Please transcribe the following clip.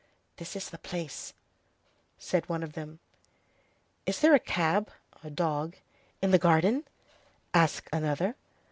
"This is the place," said one of them. "Is there a cab [dog] in the garden?" asked another.